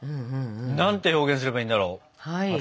何て表現すればいいんだろう。